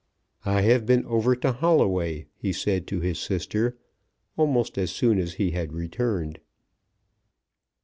"I have been over to Holloway," he said to his sister, almost as soon as he had returned.